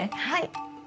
はい。